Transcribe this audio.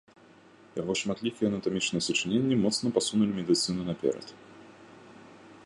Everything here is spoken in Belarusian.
Яго шматлікія анатамічныя сачыненні моцна пасунулі медыцыну наперад.